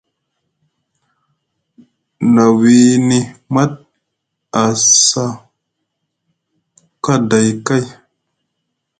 Na wiini Mat a sa kaday kay.